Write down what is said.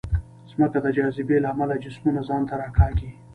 ځمکه د جاذبې له امله جسمونه ځان ته راکاږي.